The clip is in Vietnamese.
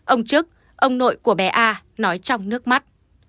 ông trức ông nội của bé a nói trong nước mắt